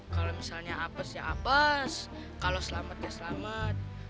kalau misalnya apes ya apes kalau selamat ya selamat